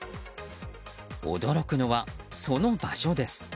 驚くのは、その場所です。